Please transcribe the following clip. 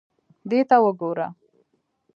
دې ته وګوره.